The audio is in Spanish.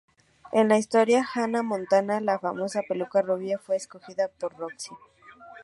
En la historia "Hannah Montana", la famosa peluca rubia fue escogida por Roxy.